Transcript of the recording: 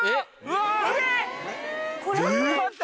ちょっと待って。